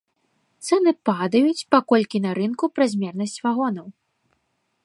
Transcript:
Цэны падаюць, паколькі на рынку празмернасць вагонаў.